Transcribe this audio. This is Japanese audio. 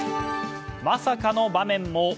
まさかの場面も！